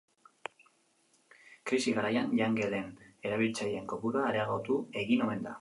Krisi garaian jangelen erabiltzaileen kopurua areagotu egin omen da.